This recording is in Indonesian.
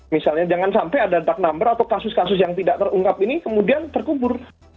misalnya jangan sampai ada duck number atau kasus kasus yang tidak terungkap ini kemudian terkubur